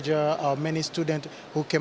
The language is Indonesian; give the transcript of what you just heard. ber disconnected dari sekolah